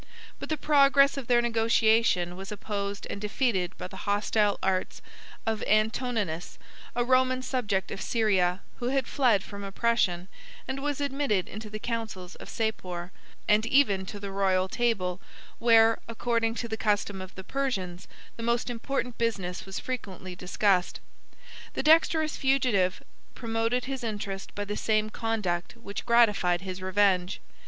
But the progress of their negotiation was opposed and defeated by the hostile arts of Antoninus, 52 a Roman subject of Syria, who had fled from oppression, and was admitted into the councils of Sapor, and even to the royal table, where, according to the custom of the Persians, the most important business was frequently discussed. 53 The dexterous fugitive promoted his interest by the same conduct which gratified his revenge.